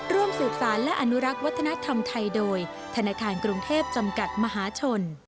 ร่วมสืบสารและอนุรักษ์วัฒนธรรมไทยโดยธนาคารกรุงเทพจำกัดมหาชน